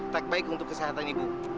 tak baik untuk kesehatan ibu